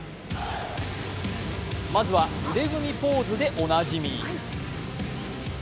まずは腕組みポーズでおなじみ。